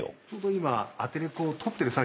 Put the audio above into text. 今。